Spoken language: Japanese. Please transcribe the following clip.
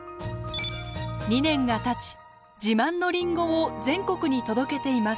２年がたち自慢のりんごを全国に届けています。